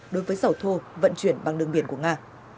đối với dầu thô vận chuyển bằng đường biển của nga